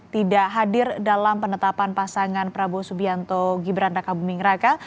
tidak hadir dalam penetapan pasangan prabowo subianto gibranda kabumingraka